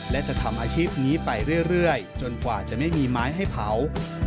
และจะทำอาชีพนี้ไปเรื่อยจนกว่าจะไม่มีไม้ให้เผา